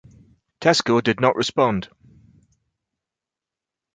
Tesco did not respond.